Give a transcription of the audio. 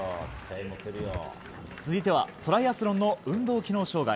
続いては、トライアスロンの運動機能障害。